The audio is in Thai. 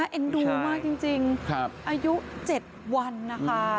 อายุ๗วันนะคะ